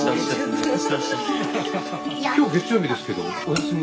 今日月曜日ですけどお休み？